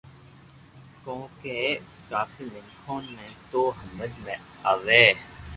ڪونڪہ ڪافي مينکون ني تو ھمج مي آوي